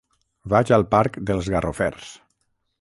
Vaig al parc dels Garrofers.